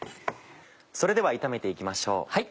それでは炒めて行きましょう。